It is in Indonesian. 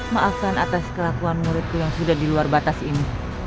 maafkan atas kelakuan muridku yang sudah di luar batas ini